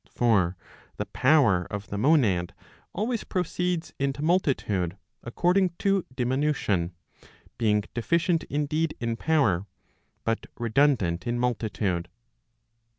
For the power of the monad always proceeds into multitude, according to diminution; being deficient indeed in power, but redundant in multitude.